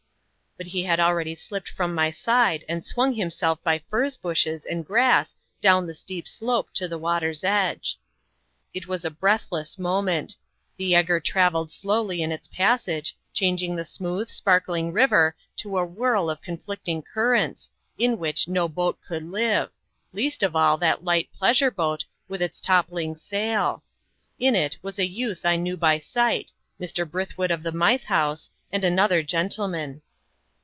But he had already slipped from my side and swung himself by furze bushes and grass down the steep slope to the water's edge. It was a breathless moment. The eger travelled slowly in its passage, changing the smooth, sparkling river to a whirl of conflicting currents, in which no boat could live least of all that light pleasure boat, with its toppling sail. In it was a youth I knew by sight, Mr. Brithwood of the Mythe House, and another gentleman.